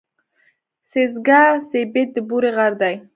سېځگه سېبت د بوري غر دی.